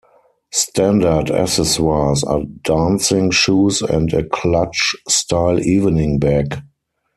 Standard accessories are dancing shoes and a clutch style evening bag.